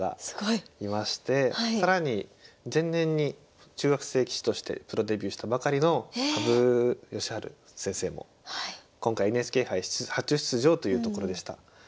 すごい！更に前年に中学生棋士としてプロデビューしたばかりの羽生善治先生も今回ＮＨＫ杯初出場というところでした。